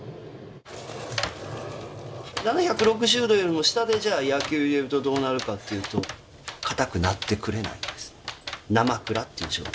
７６０度よりも下で焼きを入れるとどうなるかというと硬くなってくれないんです。